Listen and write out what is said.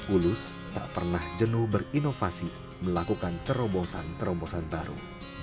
ulus tak pernah jenuh berinovasi melakukan terombosan terombosan baru